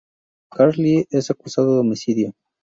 Carl Lee es acusado de homicidio.